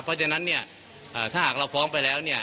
เพราะฉะนั้นเนี่ยถ้าหากเราฟ้องไปแล้วเนี่ย